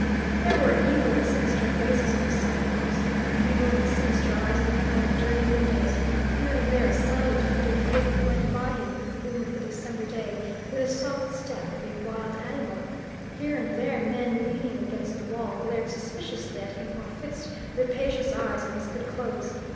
There were evil and sinister faces on the sidewalks; evil and sinister eyes looking out of dirty windows; here and there a silent footed figure went by him in the gloom of the December day with the soft step of a wild animal; here and there, men leaning against the wall, glared suspiciously at him or fixed rapacious eyes on his good clothes.